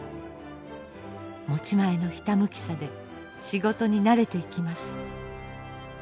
持ち前のひたむきさで仕事に慣れていきます。